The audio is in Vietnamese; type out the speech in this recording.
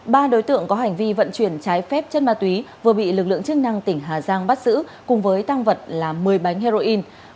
ba đối tượng có hành vi vận chuyển trái phép chất ma túy vừa bị lực lượng chức năng tỉnh hà giang bắt giữ cùng với tăng vật là một mươi bánh heroin